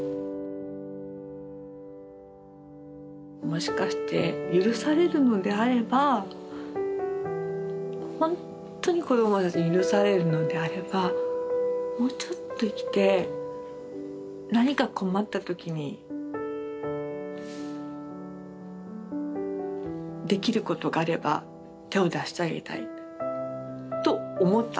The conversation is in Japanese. もしかして許されるのであればほんとに子どもたちに許されるのであればもうちょっと生きて何か困った時にできることがあれば手を出してあげたいと思ったんですね。